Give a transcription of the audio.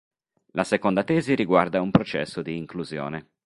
La seconda tesi riguarda un processo di inclusione.